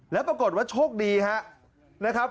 แล้วปรากฏว่าโชคดีครับ